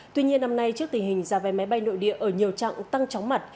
tuy nhiên năm nay trước tình hình ra về máy bay nội địa ở nhiều trạng tăng tróng mặt